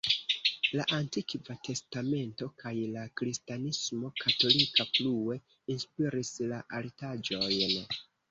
La Antikva Testamento kaj la kristanismo katolika plue inspiris la artaĵojn.